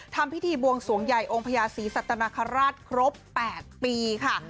ทำพิธีบวงสวงใหญ่องค์พญาศรีสัตนคราชครบ๘ปีค่ะ